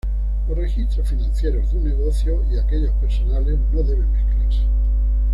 Los registros financieros de un negocio y aquellos personales no deben mezclarse.